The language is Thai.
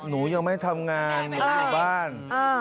นูยังไม่เชิงอยู่ที่บ้าน